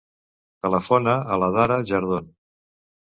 Telefona a l'Adhara Jardon.